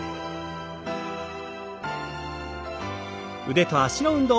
腕と脚の運動。